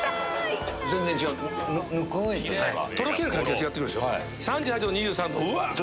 とろける感じが違ってるでしょ。